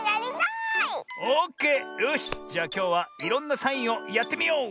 オッケーよしじゃあきょうはいろんなサインをやってみよう！